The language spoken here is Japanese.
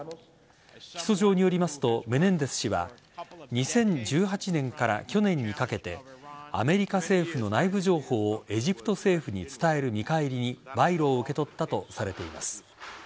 起訴状によりますとメネンデス氏は２０１８年から去年にかけてアメリカ政府の内部情報をエジプト政府に伝える見返りに賄賂を受け取ったとされています。